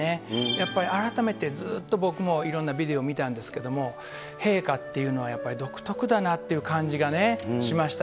やっぱり、改めてずっと僕も、いろんなビデオ見たんですけど、陛下っていうのはやっぱり独特だなっていう感じがしました。